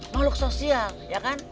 makhluk sosial ya kan